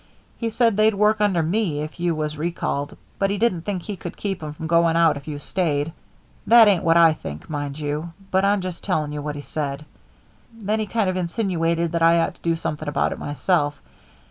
He said they'd work under me if you was recalled, but he didn't think he could keep 'em from going out if you stayed. That ain't what I think, mind you; I'm just telling you what he said. Then he kind of insinuated that I ought to do something about it myself.